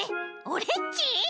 オレっち？